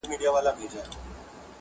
د زړه ښار کي مي آباده میخانه یې,